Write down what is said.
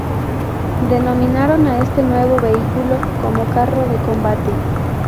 Denominaron a este nuevo vehículo como carro de combate.